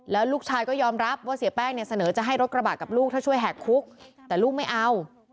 แล้วลูกชายก็ยอมรับว่าเสียแป้งเนี่ยเสนอจะให้รถกระบะกับลูกถ้าช่วยแหกคุกแต่ลูกไม่เอา